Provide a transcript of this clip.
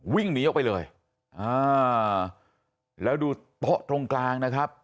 วิ่งหนีออกไปเลยอ่าแล้วดูโต๊ะตรงกลางนะครับ